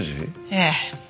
ええ。